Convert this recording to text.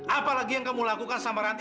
apa lagi yang kamu lakukan sama ranti